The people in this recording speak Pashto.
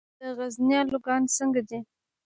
د غزني الوګان څنګه دي؟